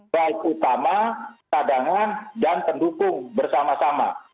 baik utama cadangan dan pendukung bersama sama